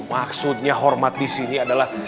maksudnya hormat di sini adalah